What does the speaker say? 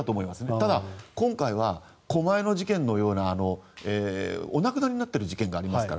ただ、今回は狛江の事件のようなお亡くなりになられている事件がありますから。